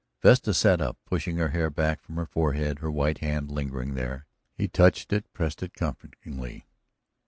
Vesta sat up, pushed her hair back from her forehead, her white hand lingering there. He touched it, pressed it comfortingly.